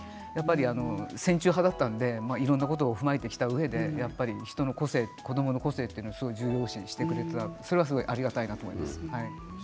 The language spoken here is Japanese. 戦中派だったのでいろんなことを踏まえてきたうえで人の個性、子どもの個性を重要視してくれてありがたいです。